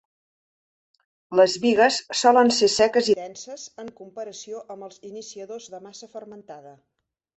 Les "bigas" solen ser seques i denses en comparació amb els iniciadors de massa fermentada.